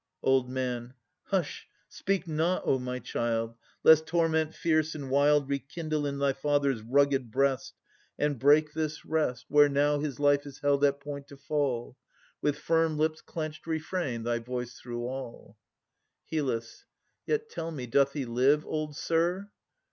OLD M. Hush! speak not, O my child, Lest torment fierce and wild Rekindle in thy father's rugged breast, And break this rest Where now his life is held at point to fall. With firm lips clenched refrain thy voice through all. HYL. Yet tell me, doth he live, Old sir?